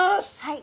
はい。